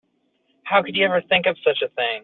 How could you ever think of such a thing?